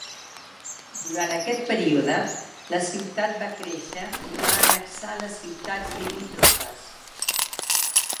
Durant aquest període, la ciutat va créixer i va annexar les ciutats limítrofes.